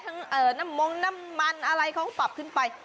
น้ำมงน้ำมันอะไรเขาก็ปรับขึ้นไป